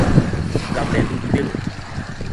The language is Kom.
Ngam læ ndu i Belo.